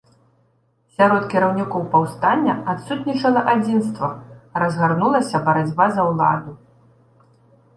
Сярод кіраўнікоў паўстання адсутнічала адзінства, разгарнулася барацьба за ўладу.